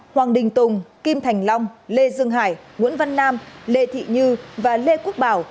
hoàng đình tùng kim thành long lê dương hải nguyễn văn nam lê thị như và lê quốc bảo